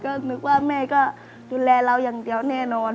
ก็นึกว่าแม่ก็ดูแลเราอย่างเดียวแน่นอน